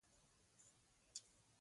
د خوش مزاجۍ په وجه ورته چا بابا نه ویل.